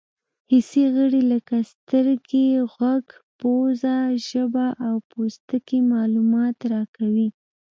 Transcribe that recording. حسي غړي لکه سترګې، غوږ، پزه، ژبه او پوستکی معلومات راکوي.